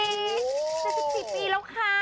เจสสี่ปีแล้วค่ะ